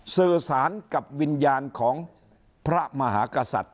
สื่อสารกับวิญญาณของพระมหากษัตริย์